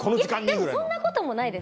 でもそんなこともないです。